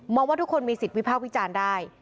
ว่าทุกคนมีสิทธิ์วิภาควิจารณ์ได้